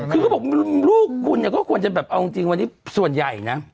คือเขาบอกลูกคุณเนี่ยก็ควรจะแบบเอาจริงวันนี้ส่วนใหญ่นะ